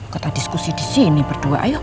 kita diskusi disini berdua ayo